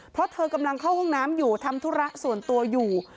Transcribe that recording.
เพราะเธอกำลังเข้าห้องน้ำอยู่ทำธุระส่วนตัวอยู่